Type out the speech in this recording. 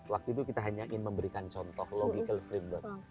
waktu itu kita hanya memberikan contoh logical freedom